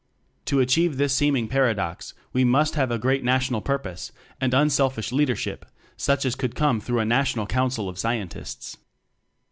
To achieve this seeming paradox we must have a great national purpose, and unselfish leadership such as could come through a National Council of Scientists.